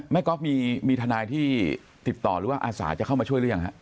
ก๊อฟมีทนายที่ติดต่อหรือว่าอาสาจะเข้ามาช่วยหรือยังฮะ